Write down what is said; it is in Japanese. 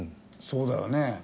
そうだよね。